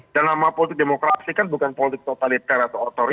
dan nama politik demokrasi kan bukan politik totaliter atau otoriter